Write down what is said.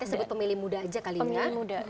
kita sebut pemilih muda aja kali ini